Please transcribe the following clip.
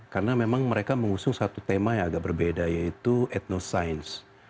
karena memang mereka mengusung satu tema yang agak berbeda yaitu ethnoscience